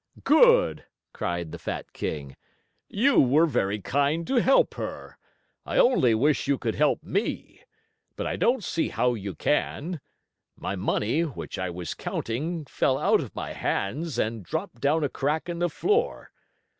"Good!" cried the fat king. "You were very kind to help her. I only wish you could help me. But I don't see how you can. My money, which I was counting, fell out of my hands and dropped down a crack in the floor.